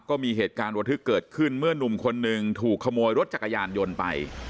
ก็มีเหตุการณ์ระทึกเกิดขึ้นเมื่อนุ่มคนหนึ่งถูกขโมยรถจักรยานยนต์ไป